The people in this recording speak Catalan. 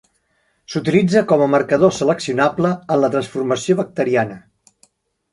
S'utilitza com a marcador seleccionable en la transformació bacteriana.